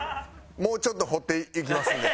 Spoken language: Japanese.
もうちょっと掘っていきますんで。